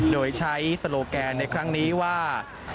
โดยใช้โซโลแกนในครั้งนี้ว่า